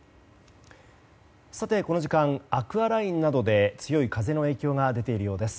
この時間アクアラインなどで強い風の影響が出ているようです。